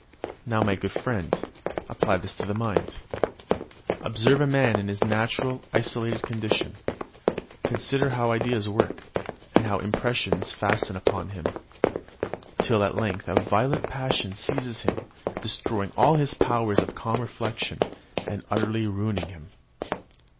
"Now, my good friend, apply this to the mind; observe a man in his natural, isolated condition; consider how ideas work, and how impressions fasten on him, till at length a violent passion seizes him, destroying all his powers of calm reflection, and utterly ruining him.